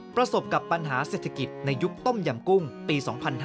ประสบกับปัญหาเศรษฐกิจในยุคต้มยำกุ้งปี๒๕๕๙